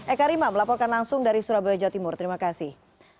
eka rima melaporkan langsung dari surabaya jawa timur terima kasih